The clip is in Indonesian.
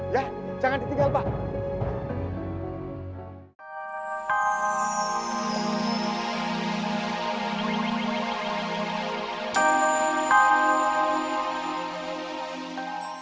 ya jangan ditinggal pak